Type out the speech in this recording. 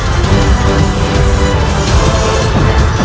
tolong selamatkanlah kakakku